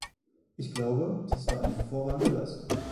Ich glaube, dies war eine hervorragende Leistung.